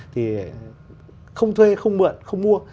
thì không thuê không mượn không mua